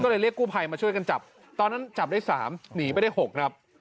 ก็เลยเรียกกู้ภัยมาช่วยกันจับตอนนั้นจับได้๓หนีไปได้๖ครับ